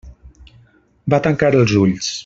Va tancar els ulls.